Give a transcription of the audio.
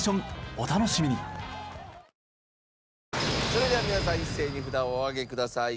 それでは皆さん一斉に札をお上げください。